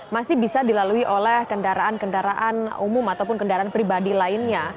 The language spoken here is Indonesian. masih bisa dilalui oleh kendaraan kendaraan umum ataupun kendaraan pribadi lainnya